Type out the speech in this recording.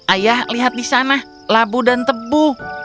ayah lihat di sana labu dan tebu